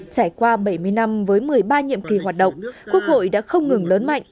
trải qua bảy mươi năm với một mươi ba nhiệm kỳ hoạt động quốc hội đã không ngừng lớn mạnh